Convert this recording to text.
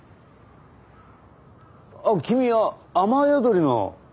あっ君は雨宿りの。